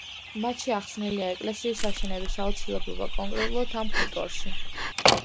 მათში ახსნილია ეკლესიის აშენების აუცილებლობა კონკრეტულად ამ ხუტორში.